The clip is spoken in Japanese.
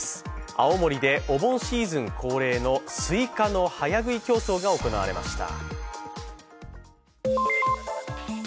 青森でお盆シーズン恒例のスイカの早食い競争が行われました。